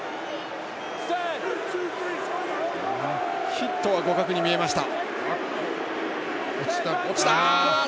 ヒットは互角に見えました。